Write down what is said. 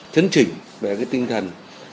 chấn chỉnh về cái tinh thần